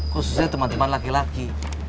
khususnya temen temen laki laki